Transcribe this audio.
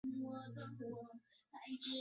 这项交易对天使队事实上是有利的。